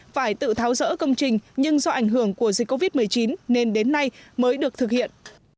phải tự tháo rỡ công trình nhưng do ảnh hưởng của dịch covid một mươi chín nên đến nay mới được thực hiện